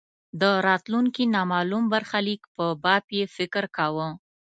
د راتلونکې نامالوم برخلیک په باب یې فکر کاوه.